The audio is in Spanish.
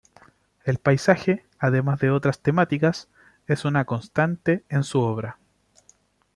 El paisaje, además de otras temáticas, es una constante en su obra.